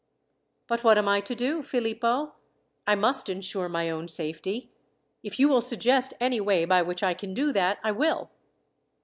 "But what am I to do, Philippo? I must ensure my own safety. If you will suggest any way by which I can do that, I will."